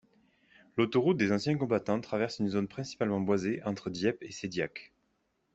L'autoroute des Anciens combattants traverse une zone principalement boisée entre Dieppe et Shédiac.